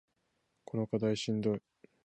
この課題しんどい